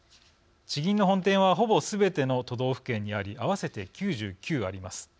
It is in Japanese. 地銀の本店はすべての都道府県にあり合わせて９９あります。